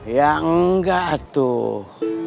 ya nggak tuh